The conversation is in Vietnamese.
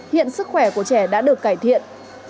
hiện sức khỏe của trẻ đã được cải thiện